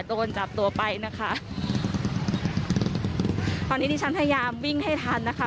โดนจับตัวไปนะคะตอนนี้ที่ฉันพยายามวิ่งให้ทันนะคะ